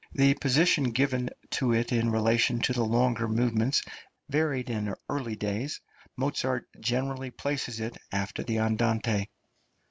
The position given to it in relation to the longer movements varied in early days; Mozart generally places it after the andante.